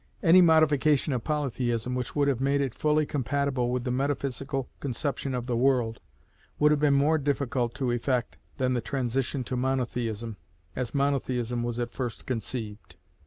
Any modification of Polytheism which would have made it fully compatible with the Metaphysical conception of the world, would have been more difficult to effect than the transition to Monotheism, as Monotheism was at first conceived.